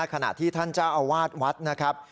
ขณะที่ท่านเจ้าอาวาสวัดนะครับ